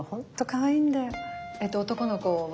男の子は？